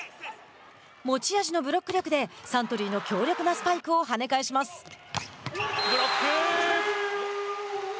持ち味のブロック力でサントリーの強力なスパイクをブロック。